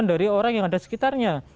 dari orang yang ada sekitarnya